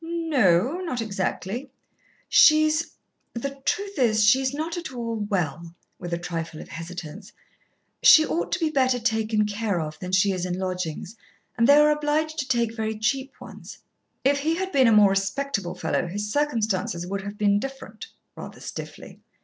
"No o, not exactly." "She's the truth is, she is not at all well," with a trifle of hesitance; "she ought to be better taken care of than she is in lodgings, and they are obliged to take very cheap ones." "If he had been a more respectable fellow his circumstances would have been different," rather stiffly.